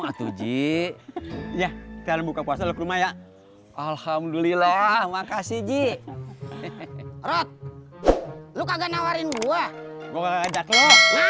aduh ji ya terbuka puasa rumah ya alhamdulillah makasih ji rot lu kagak nawarin gua gua ajak lo